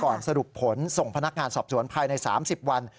สรุปผลส่งพนักงานสอบสวนภายใน๓๐วัน